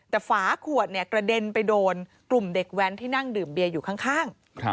แต่ฝาขวดเนี่ยกระเด็นไปโดนกลุ่มเด็กแว้นที่นั่งดื่มเบียร์อยู่ข้าง